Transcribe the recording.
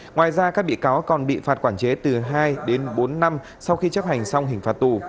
ngoài ra các bị cáo còn bị phạt quản chế từ hai đến bốn năm sau khi chấp hành xong hình phạt tù